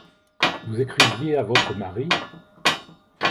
Vous écriviez à votre mari?